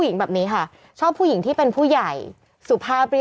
นี่ภาพคู่